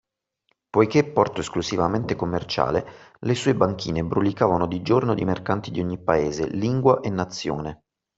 Poiché porto esclusivamente commerciale, le sue banchine brulicavano di giorno di mercanti di ogni paese, lingua e nazione